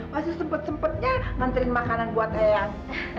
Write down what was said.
masih sempet sempetnya nganterin makanan buat ayam